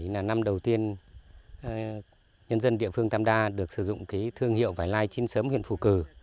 năm hai nghìn một mươi bảy là năm đầu tiên nhân dân địa phương tam đa được sử dụng thương hiệu vải lai chín sớm huyện phù cử